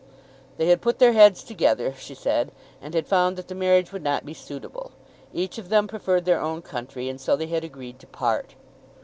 They had put their heads together, she said, and had found that the marriage would not be suitable. Each of them preferred their own country, and so they had agreed to part.